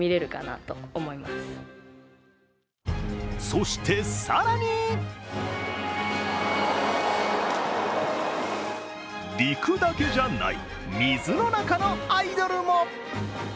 そして、さらに陸だけじゃない、水の中のアイドルも。